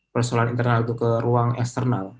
persoalan internal itu ke ruang eksternal